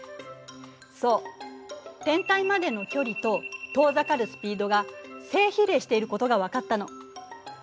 そう天体までの距離と遠ざかるスピードが正比例していることが分かったの。